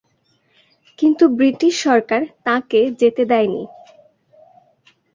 কিন্তু বৃটিশ সরকার তাঁকে যেতে দেয়নি।